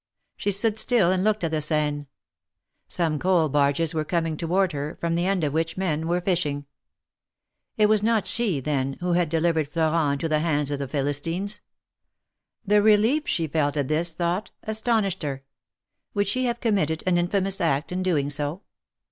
She stood still and looked at the Seine. Some coal barges were coming toward her, from the end of which men were fishing. It was not she, then, who had delivered Florent into the hands of the Philistines. The relief she felt at this thought astonished her. Would she have committed an infamous act in doing so